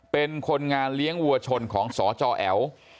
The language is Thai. เป็นคนงานเลี้ยงวัวชนของสจแอ๋ว